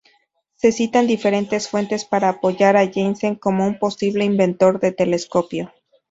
Se citan diferentes fuentes para apoyar a Janssen como un posible inventor del telescopio.